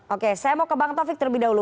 oke saya mau ke bang taufik terlebih dahulu